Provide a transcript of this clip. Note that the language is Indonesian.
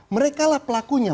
mereka lah pelakunya